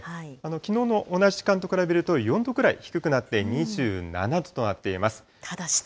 きのうの同じ時間と比べると４度くらい低くなって２７度となっています。